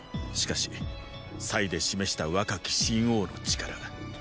しかしで示した若き秦王の力。